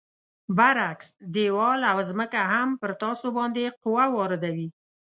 برعکس دیوال او ځمکه هم پر تاسو باندې قوه واردوي.